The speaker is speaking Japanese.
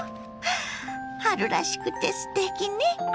春らしくてすてきね！